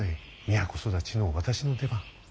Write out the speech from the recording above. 都育ちの私の出番。